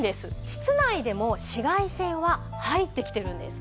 室内でも紫外線は入ってきてるんです。